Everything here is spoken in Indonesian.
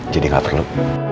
jadi gak perlu